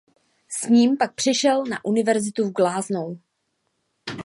S ním pak přešel na univerzitu v Glasgow.